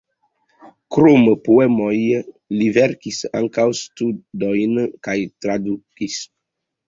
Krom poemoj li verkis ankaŭ studojn kaj tradukis.